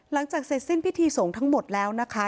หลังจากเสร็จสิ้นพิธีสงฆ์ทั้งหมดแล้วนะคะ